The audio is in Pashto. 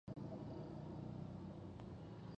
ښتې د افغانستان د اقتصادي ودې لپاره ارزښت لري.